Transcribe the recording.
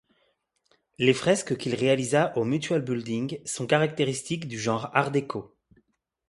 Les fresques qu'il réalisa au Mutual Building sont caractéristiques du genre Art déco.